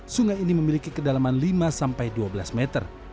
sungai ini memiliki kedalaman lima sampai dua belas meter